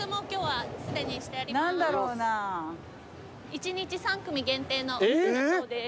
一日３組限定のお店だそうです。